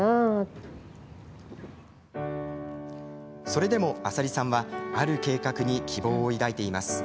それでも麻里さんはある計画に希望を抱いています。